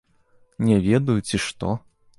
Не ведаю, ці што?